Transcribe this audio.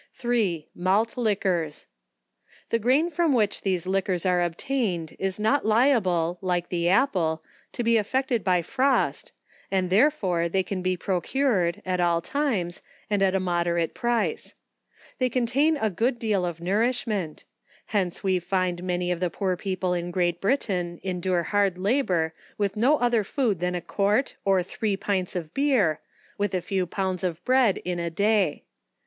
3. Malt Liquors. The grain from which these li quors are obtained, is not liable, like the apple, to be af fected by frost, and therefore they can he procured, at all times, and at a moderate price. They contain a good deal of nourishment ; hence we find many of the poor people in Great Britain endure hard labour with no other food than a quart or three pints of beer, with a few pounds of 12 ON TIIE EFFECTS OF broad in a day.